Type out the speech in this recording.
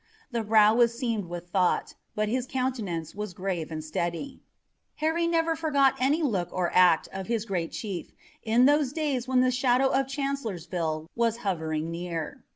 The brow was seamed with thought, but his countenance was grave and steady. Harry never forgot any look or act of his great chief in those days when the shadow of Chancellorsville was hovering near.